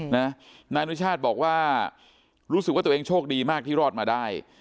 นายอนุชาติบอกว่ารู้สึกว่าตัวเองโชคดีมากที่รอดมาได้